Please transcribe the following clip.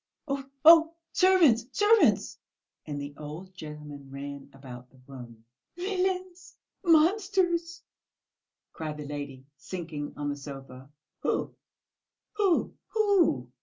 Oh, oh, servants, servants!" and the old gentleman ran about the room. "Villains! Monsters!" cried the lady, sinking on the sofa. "Who, who, who?"